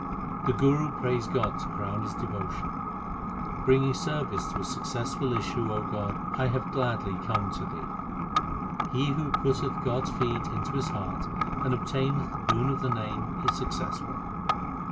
The Guru prays God to crown his devotion : Bringing service to a successful issue, O God, I have gladly come to Thee. He who putteth God s feet into his heart and obtaineth the boon of the Name is successful.